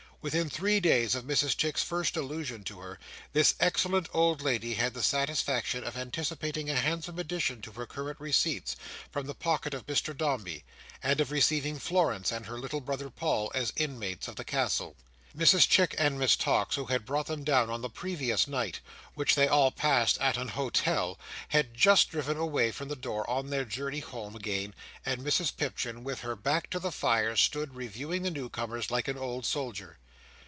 Within three days after Mrs Chick's first allusion to her, this excellent old lady had the satisfaction of anticipating a handsome addition to her current receipts, from the pocket of Mr Dombey; and of receiving Florence and her little brother Paul, as inmates of the Castle. Mrs Chick and Miss Tox, who had brought them down on the previous night (which they all passed at an Hotel), had just driven away from the door, on their journey home again; and Mrs Pipchin, with her back to the fire, stood, reviewing the new comers, like an old soldier.